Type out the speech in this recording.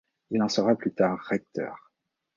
Il en sera plus tard recteur.